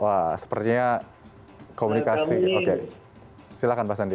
wah sepertinya komunikasi oke silakan pak sandi